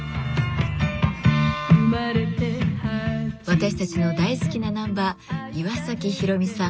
私たちの大好きなナンバー岩崎宏美さん